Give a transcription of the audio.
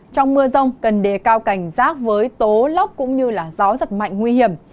trong mưa rông cần đề cao cảnh giác với tố lốc cũng như gió giật mạnh nguy hiểm